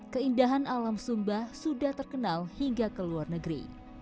keindahan alam sumba sudah terkenal hingga ke luar negeri